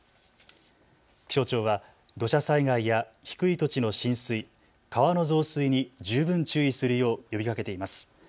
気象庁は土砂災害や低い土地の浸水、川の増水に十分注意するよう呼びかけています。